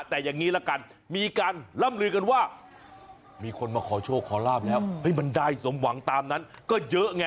แต่อย่างนี้ละกันมีการล่ำลือกันว่ามีคนมาขอโชคขอลาบแล้วมันได้สมหวังตามนั้นก็เยอะไง